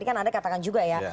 ini kan anda katakan juga ya